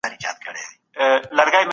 ولي په تېر وخت کي ژوند کول ذهن ویجاړوي؟